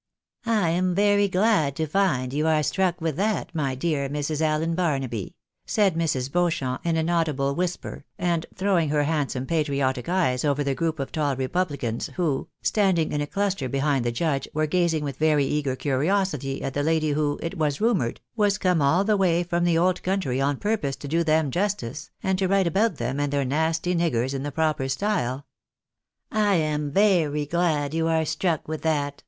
" I am very glad to find you are struck with that, my dear Mrs. Allen Barnaby," said Mrs. Beauchamp, in an audible whis per, and throwing her handsome patriotic eyes over the group of tall repubhcans who, standing in a cluster behind the Judge, were gazing with very eager curiosity at the lady who, it was rumoured, was come all the way from the old country on purpose to do them justice, and to write about them and their nasty niggers in the proper style — "I am very glad you are struck with that," she